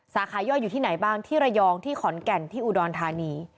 สายขาย่อยอยู่ที่ไหนบ้างที่ระยองที่ขอนแก่นที่อุดรธานี